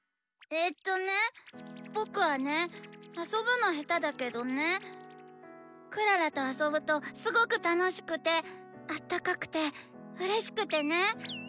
えっとねぇぼくはねぇあそぶのヘタだけどねぇクララとあそぶとすごくたのしくてあったかくてうれしくてねぇ。